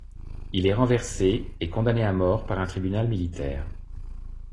Il est renversé et condamné à mort par un tribunal militaire.